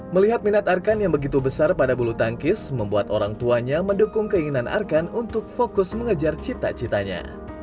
melihat minat arkan yang begitu besar pada bulu tangkis membuat orang tuanya mendukung keinginan arkan untuk fokus mengejar cita citanya